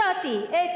yang ketiga adalah